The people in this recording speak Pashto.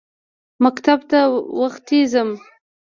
مکتب ته وختي ځم.